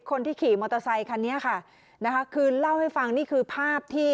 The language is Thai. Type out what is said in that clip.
คนที่ขี่มอเตอร์ไซคันนี้ค่ะนะคะคือเล่าให้ฟังนี่คือภาพที่